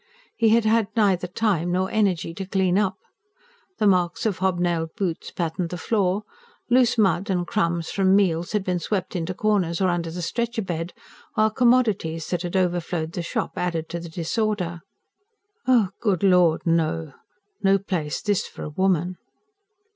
He had had neither time nor energy to clean up. The marks of hobnailed boots patterned the floor; loose mud, and crumbs from meals, had been swept into corners or under the stretcher bed; while commodities that had overflowed the shop added to the disorder. Good Lord, no! ... no place this for a woman.